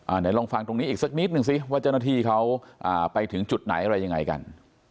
เดี๋ยวลองฟังตรงนี้อีกสักนิดนึงสิว่าเจ้าหน้าที่เขาไปถึงจุดไหนอะไรยังไงกัน